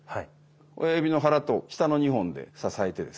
親指の腹と下の２本で支えてですね。